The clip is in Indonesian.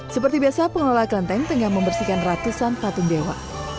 seperti biasa pengelola kelenteng tengah membersihkan ratusan patung dewa